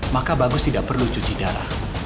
maka bagus tidak perlu cuci darah